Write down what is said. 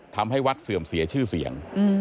ทำให้วัดเสื่อมเสียชื่อเสียง